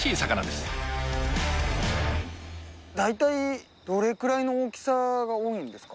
大体どれくらいの大きさが多いんですか？